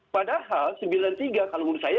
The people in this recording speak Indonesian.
padahal sembilan puluh tiga kalau menurut saya